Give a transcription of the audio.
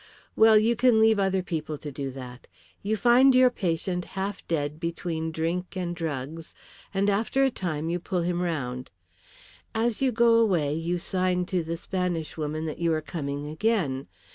"Well, you can leave other people to do that. You find your patient half dead between drink and drugs, and after a time you pull him round. As you go away you sign to the Spanish woman that you are coming again.